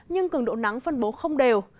nhưng cường độ nắng phân bố không đều